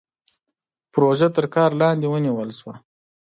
پروژه تر کار لاندې ونيول شوه.